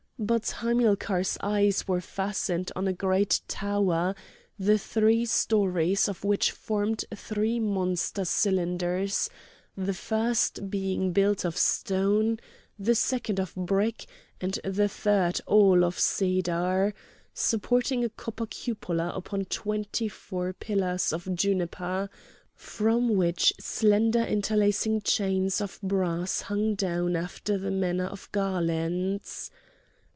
But Hamilcar's eyes were fastened on a great tower, the three storys of which formed three monster cylinders—the first being built of stone, the second of brick, and the third all of cedar—supporting a copper cupola upon twenty four pillars of juniper, from which slender interlacing chains of brass hung down after the manner of garlands.